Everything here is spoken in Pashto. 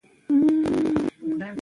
له امله د ښاریانو شکایتونه زیات سوي وه